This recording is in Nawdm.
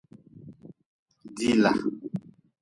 Dila.